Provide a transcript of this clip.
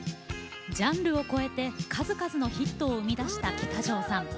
ジャンルを超えて数々のヒットを生み出した喜多條さん。